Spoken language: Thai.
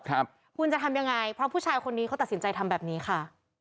ครับคุณจะทำยังไงเพราะผู้ชายคนนี้เขาตัดสินใจทำแบบนี้ค่ะ